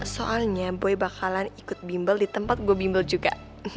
soalnya boy bakalan ikut bimbel di tempat gue bimbel juga